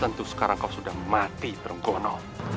tentu sekarang kau sudah mati perenggono